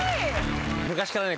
昔からね